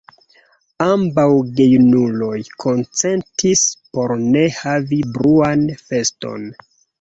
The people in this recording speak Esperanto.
Ambaŭ gejunuloj konsentis por ne havi bruan feston.